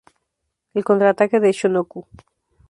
El contraataque de Shohoku!